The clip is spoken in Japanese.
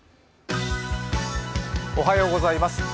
おはようございます。